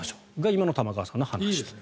今の玉川さんの話です。